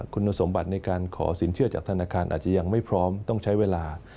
คุณสมบัติในการขอสินเชื่อจากธนาคารอาจจะยังไม่พร้อมต้องใช้เวลา